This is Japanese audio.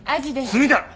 炭だ！